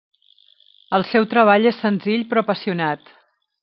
El seu treball és senzill però apassionat.